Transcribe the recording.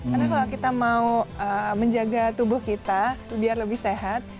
karena kalau kita mau menjaga tubuh kita biar lebih sehat